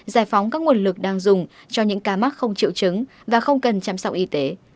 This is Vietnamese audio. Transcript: giải phóng các nguồn lực đang dùng cho những ca mắc không triệu chứng và không cần chăm sóc y tế